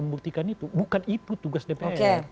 membuktikan itu bukan itu tugas dpr